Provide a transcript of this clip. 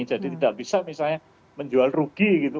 jadi tidak bisa misalnya menjual rugi gitu